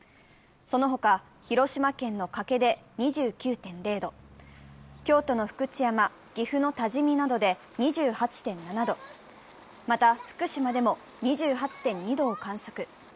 その他、広島県の加計で２９．０度、京都の福知山、岐阜の多治見などで２８．７度、また、福島でも２８．２度を観測。